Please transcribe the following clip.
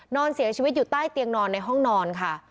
นอนเสียชีวิตอยู่ใต้เตียงนอนในห้องนอนค่ะ